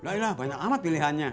udah iya banyak banget pilihannya